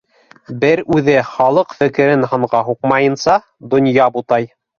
Бер үҙе, халыҡ фекерен һанға һуҡмайынса, донъя бутай